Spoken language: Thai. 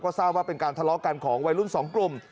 ทราบว่าเป็นการทะเลาะกันของวัยรุ่น๒กลุ่ม